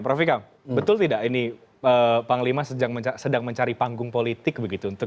prof vika betul tidak ini panglima sedang mencari panggung politik begitu untuk dua ribu sembilan belas